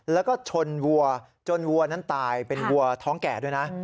แล้วก็ชนวัวจนวัวนั้นตายเป็นวัวท้องแก่ด้วยนะ